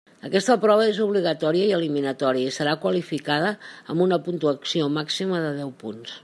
Aquesta prova és obligatòria i eliminatòria, i serà qualificada amb una puntuació màxima de deu punts.